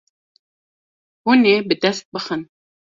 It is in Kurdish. Hûn ê bi dest bixin.